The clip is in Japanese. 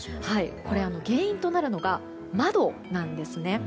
これ、原因となるのが窓なんですね。